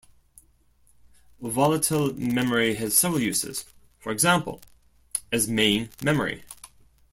Volatile memory has several uses - for example, as main memory.